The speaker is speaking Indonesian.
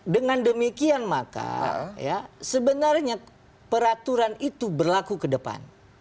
dengan demikian maka sebenarnya peraturan itu berlaku kedepan